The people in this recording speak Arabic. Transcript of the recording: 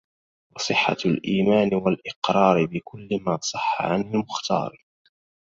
وصحةُ الإيمان والإقرارِ بكل ما صحّ عن المختارِ